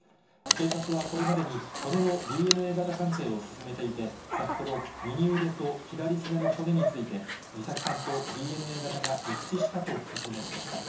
警察はこれまでに、骨のＤＮＡ型鑑定を進めていて、先ほど、右腕と左すねの骨について、美咲さんとＤＮＡ型が一致したと説明しました。